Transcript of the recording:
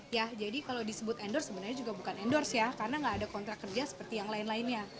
ya jadi kalau disebut endorse sebenarnya juga bukan endorse ya karena nggak ada kontrak kerja seperti yang lain lainnya